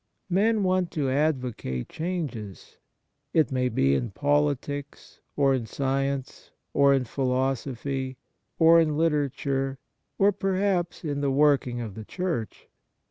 Men want to advocate changes, it may be in politics, or in science, or in philosophy, or in literature, or perhaps in the working of the Church.